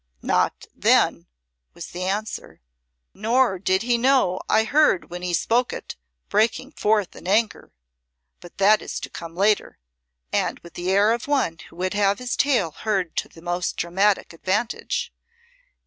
"Not then," was the answer; "nor did he know I heard when he spoke it, breaking forth in anger. But that is to come later" with the air of one who would have his tale heard to the most dramatic advantage.